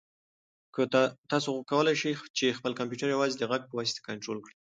تاسو کولای شئ چې خپل کمپیوټر یوازې د غږ په واسطه کنټرول کړئ.